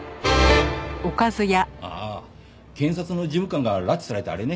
ああ検察の事務官が拉致されたあれね。